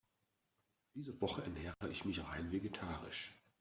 Diese Woche ernähre ich mich rein vegetarisch.